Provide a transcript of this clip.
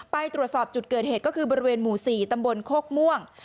ไปตรวจสอบจุดเกิดเหตุก็คือบริเวณหมู่๔ตำบลโคกม่วง